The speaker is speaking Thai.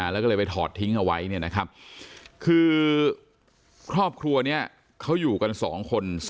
แล้วก็เลยไปถอดทิ้งเอาไว้เนี่ยนะครับคือครอบครัวนี้เขาอยู่กัน๒คน